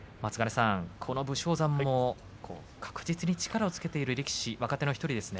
武将山も確実に力をつけている若手の１人ですね。